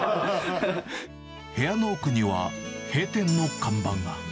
部屋の奥には、閉店の看板が。